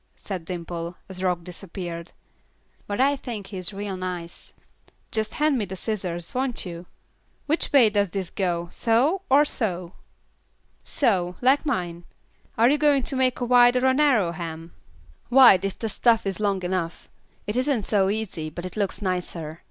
said Dimple, as Rock disappeared; "but I think he is real nice. Just hand me the scissors, won't you? Which way does this go, so, or so?" "So, like mine. Are you going to make a wide or a narrow hem?" "Wide, if the stuff is long enough; it isn't so easy, but it looks nicer.